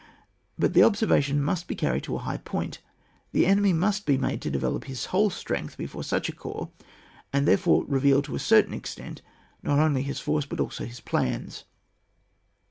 But the observation must be carried to a high point ; the enemy must be made to develop his whole strength before such a coi*ps, and thereby reveal to a certain ex tent, not only his force, but also his plans.